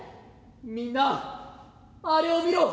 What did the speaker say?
「みんなあれを見ろ！